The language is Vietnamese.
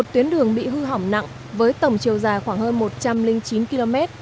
một tuyến đường bị hư hỏng nặng với tổng chiều dài khoảng hơn một trăm linh chín km